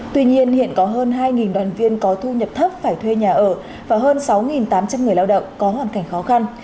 tuy nhiên hiện có hơn hai đoàn viên có thu nhập thấp phải thuê nhà ở và hơn sáu tám trăm linh người lao động có hoàn cảnh khó khăn